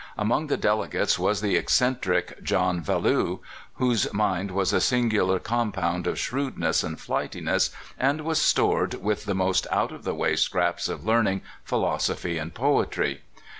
Among the delegates was the eccentric John Vallew, whose mind was a singular com pound of shrewdness and flightiness and was stored with the most out of the way scraps of learning, philosoph}^ and poetr}'.